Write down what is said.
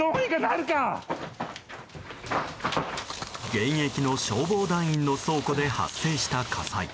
現役の消防団員の倉庫で発生した火災。